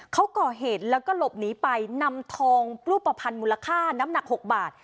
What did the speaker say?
เขาก่อเหตุแล้วก็หลบหนีไปนำทองรูปภัณฑ์มูลค่าน้ำหนัก๖บาท